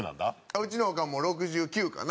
うちのオカン、６９かな。